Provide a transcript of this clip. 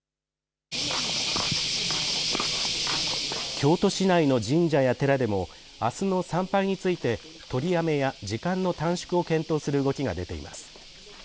京都市内の神社や寺でもあすの参拝について取りやめや時間の短縮を検討する動きが出ています。